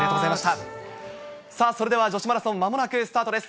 さあ、それでは女子マラソン、まもなくスタートです。